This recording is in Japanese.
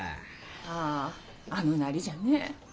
あああのなりじゃね。